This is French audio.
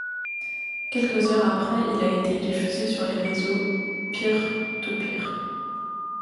Quelques heures après il a été diffusé sur les réseaux peer to peer.